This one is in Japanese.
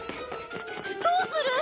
どうする？